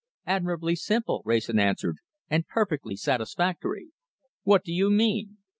"Admirably simple," Wrayson answered, "and perfectly satisfactory." "What do you mean?"